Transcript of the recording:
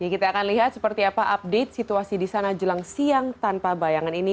kita akan lihat seperti apa update situasi di sana jelang siang tanpa bayangan ini